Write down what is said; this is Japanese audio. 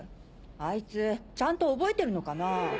あいつちゃんと覚えてるのかなぁ。